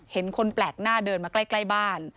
เห็นคนแปลกหน้าเดินมาใกล้บ้าน